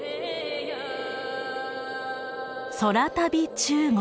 「空旅中国」。